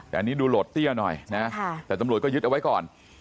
แต่อันนี้ดูโหลดเตี้ยหน่อยนะแต่ตำรวจก็ยึดเอาไว้ก่อน